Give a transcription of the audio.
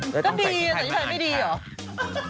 ก็ดีใส่ชุดทายไม่ดีหรอ